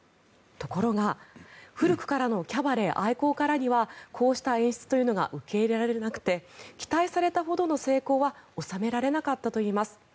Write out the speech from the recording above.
ところが、古くからのキャバレー愛好家らにはこうした演出というのが受け入れられなくて期待されたほどの成功は収められなかったといいます。